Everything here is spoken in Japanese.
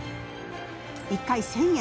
１回１０００円。